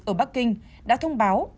ở bắc kinh đã thông báo